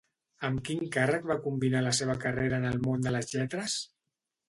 Amb quin càrrec va combinar la seva carrera en el món de les lletres?